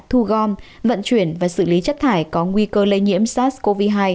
thu gom vận chuyển và xử lý chất thải có nguy cơ lây nhiễm sars cov hai